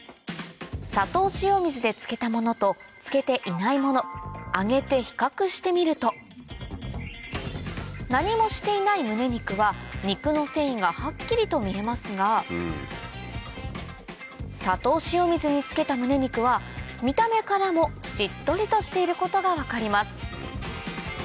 砂糖塩水で漬けたものと漬けていないもの揚げて比較してみると何もしていないむね肉は肉の繊維がはっきりと見えますが砂糖塩水に漬けたむね肉は見た目からもしっとりとしていることが分かります